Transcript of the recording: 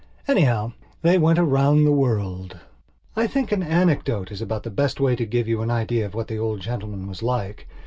Anyhow, they went round the world. I think an anecdote is about the best way to give you an idea of what the old gentleman was like.